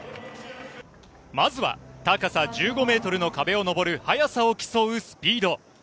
まずは高さ１５ｍの壁を登る速さを競うスピード。